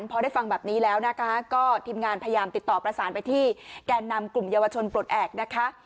พอได้ฟังแบบนี้แล้วนะคะก็ทีมงานพยายามติดต่อประสานไปที่แก่นำกลุ่มเยาวชนปลดแอบนะคะ